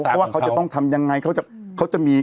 ก็ว่าเขาจะต้องทำยังไง